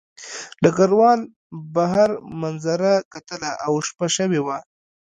ډګروال بهر منظره کتله او شپه شوې وه